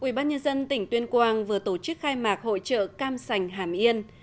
quỹ bát nhân dân tỉnh tuyên quang vừa tổ chức khai mạc hội trợ cam sành hàm yên